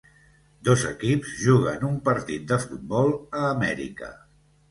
Dos equips juguen un partit de futbol a Amèrica.